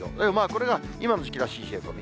これが今の時期らしい冷え込み。